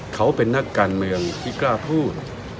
เขาเป็นนักการเมืองที่กล้าพูด